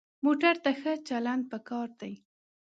موټر ته ښه چلند پکار دی.